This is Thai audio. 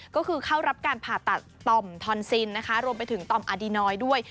ก็คือเข้ารับการผ่าตัดต่อมทอนซินนะคะรวมไปถึงต่อมอาดีนอยด้วย